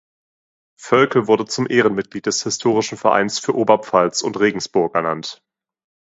Völkl wurde zum Ehrenmitglied des Historischen Vereins für Oberpfalz und Regensburg ernannt.